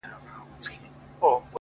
ولي دي يو انسان ته دوه زړونه ور وتراشله”